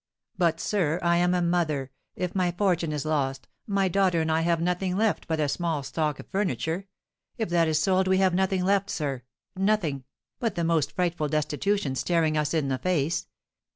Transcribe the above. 'But, sir, I am a mother! If my fortune is lost, my daughter and I have nothing left but a small stock of furniture; if that is sold, we have nothing left, sir, nothing, but the most frightful destitution staring us in the face.'